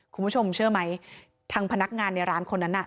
คุณผู้ชมเชื่อไหมทางพนักงานในร้านคนนั้นน่ะ